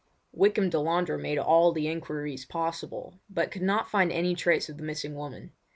Wykham Delandre made all the enquiries possible, but could not find any trace of the missing woman.